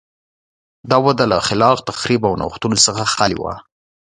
دا وده له خلاق تخریب او نوښتونو څخه خالي وه.